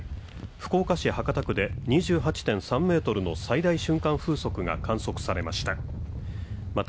福岡市博多区で２８．３メートルの最大瞬間風速が観測されました。